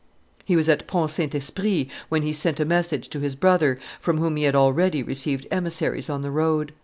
He was at Pont Saint Esprit when he sent a message to his brother, from whom he had already received emissaries on the road.